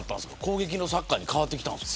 攻撃のサッカーに変わってきたんですか。